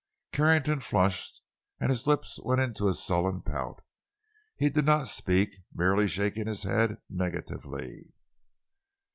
Carrington flushed and his lips went into a sullen pout. He did not speak, merely shaking his head, negatively.